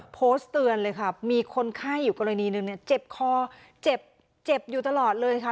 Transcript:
โพสต์เตือนเลยค่ะมีคนไข้อยู่กรณีหนึ่งเนี่ยเจ็บคอเจ็บเจ็บอยู่ตลอดเลยค่ะ